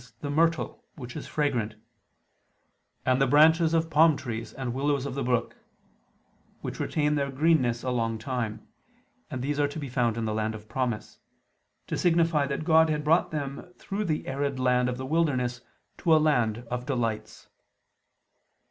the myrtle, which is fragrant, "and the branches of palm trees, and willows of the brook," which retain their greenness a long time; and these are to be found in the Land of promise; to signify that God had brought them through the arid land of the wilderness to a land of delights.